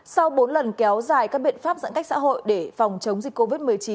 sau bốn lần kéo dài các biện pháp giãn cách xã hội để phòng chống dịch covid một mươi chín